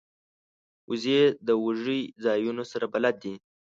وزې د دوږی ځایونو سره بلد دي